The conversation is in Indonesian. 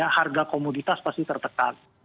harga komoditas pasti tertekan